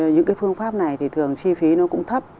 những cái phương pháp này thì thường chi phí nó cũng thấp